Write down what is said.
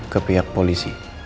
ke pihak polisi